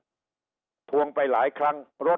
ลูกหลานบอกว่าเรียกรถไปหลายครั้งนะครับ